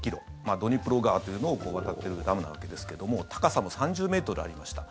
ドニプロ川っていうのを渡っているダムなわけですけども高さも３０ｍありました。